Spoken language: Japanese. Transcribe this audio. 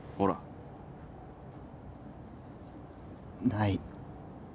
ない。